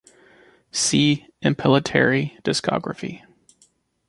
"See: Impellitteri Discography"